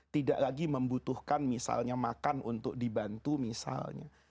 tidak lagi membutuhkan misalnya makan untuk dibantu misalnya